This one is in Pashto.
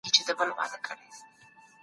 تاسو کولای شئ نوي تخنيکي مهارتونه زده کړئ.